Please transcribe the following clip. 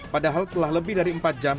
padahal telah lebih dari empat jam